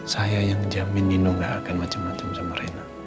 saya yang jamin nino nggak akan macem macem sama rena